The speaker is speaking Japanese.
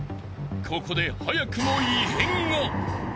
ここで早くも異変が］